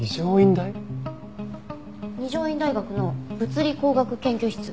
二条院大学の物理工学研究室。